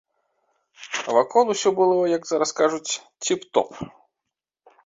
А вакол усё было, як зараз кажуць, ціп-топ.